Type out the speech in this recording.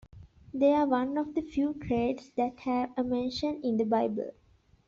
They are one of the few trades that have a mention in the Bible.